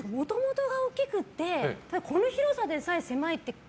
もともとが大きくてこの広さでさえ狭いって。